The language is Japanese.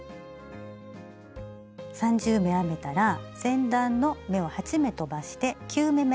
３０目編めたら前段の目を８目とばして９目め。